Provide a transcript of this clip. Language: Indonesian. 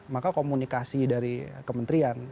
maka komunikasi dari kementerian